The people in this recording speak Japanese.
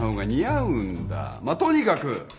まっとにかく。